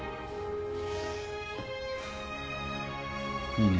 いいね。